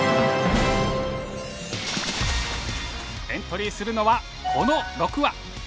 エントリーするのはこの６羽。